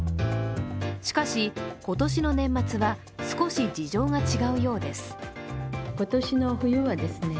しかし今年の年末は少し事情が違うようです。